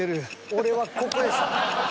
［俺はここでした］